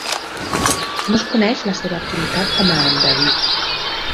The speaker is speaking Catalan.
No es coneix la seva activitat com a endeví.